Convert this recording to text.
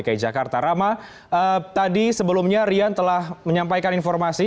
baik rama silakan